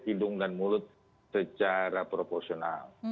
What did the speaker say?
hidung dan mulut secara proporsional